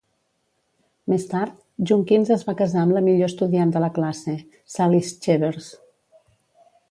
Més tard, Junkins es va casar amb la millor estudiant de la classe, Sally Schevers.